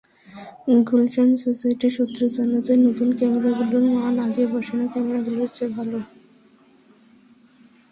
Gulshan society সূত্রে জানা যায়, নতুন ক্যামেরাগুলোর মান আগে বসানো ক্যামেরাগুলোর চেয়েও ভালো।